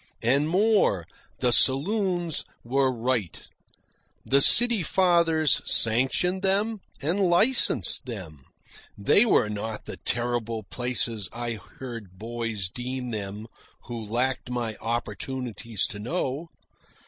And more, the saloons were right. The city fathers sanctioned them and licensed them. They were not the terrible places I heard boys deem them who lacked my opportunities to know.